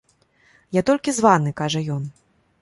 Я толькі з ванны, кажа ён.